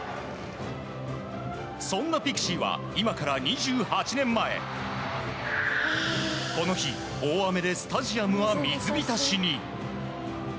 そんなピクシーは今から２８年前この日、大雨でスタジアムは水浸しに。